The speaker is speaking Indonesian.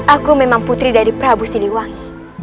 aku memang putri dari prabu siliwangi